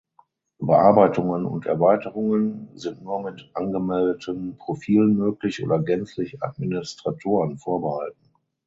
Bearbeitungen und Erweiterungen sind nur mit angemeldeten Profilen möglich oder gänzlich Administratoren vorbehalten.